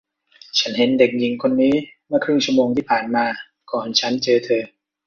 ฉันเห็นเด็กหญิงคนนี้เมื่อครึ่งชั่วโมงที่ผ่านมาก่อนฉันเจอเธอ